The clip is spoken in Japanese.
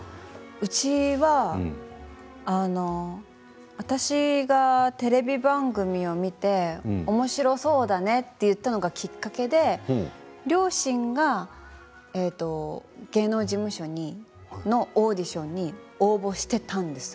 うちは私がテレビ番組を見ておもしろそうだねと言ったのがきっかけで両親が芸能事務所のオーディションに応募してたんです。